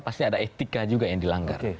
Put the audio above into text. pasti ada etika juga yang dilanggar